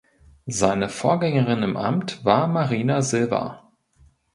Seine Vorgängerin im Amt war Marina Silva.